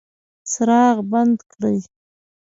څراغ بند کړئ